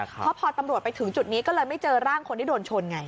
เพราะพอตำรวจไปถึงจุดนี้ก็เลยไม่เจอร่างคนที่โดนชนไง